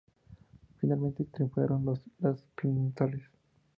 Finalmente triunfaron los peninsulares.